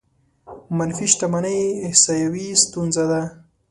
منفي شتمنۍ احصايوي ستونزه ده.